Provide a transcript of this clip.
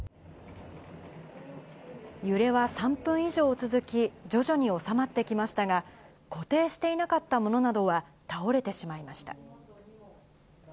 揺れは３分以上続き、徐々に収まってきましたが、固定していなかった物などは倒れてしまいました。